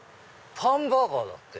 「パンバーガー」だって。